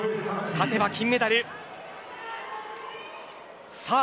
勝てば金メダルです。